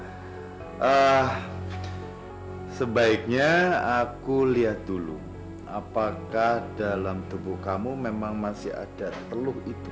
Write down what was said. nah sebaiknya aku lihat dulu apakah dalam tubuh kamu memang masih ada teluk itu